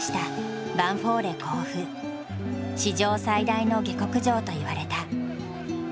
史上最大の下克上といわれた。